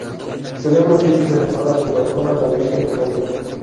Celebra fiestas en honor a su patrona la Virgen de Fátima.